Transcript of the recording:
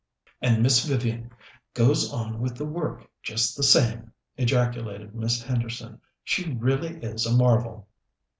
"And Miss Vivian goes on with the work just the same!" ejaculated Miss Henderson. "She really is a marvel."